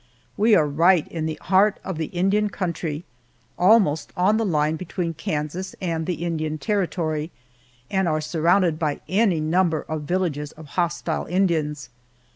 We are right in the heart of the Indian country, almost on the line between Kansas and the Indian Territory, and are surrounded by any number of villages of hostile Indians.